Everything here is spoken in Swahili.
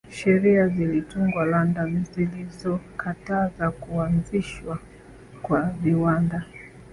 Sheria zilitungwa London zilizokataza kuanzishwa kwa viwanda